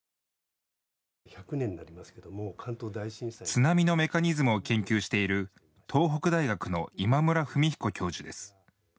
津波のメカニズムを研究している東北大学の今村文彦教授です。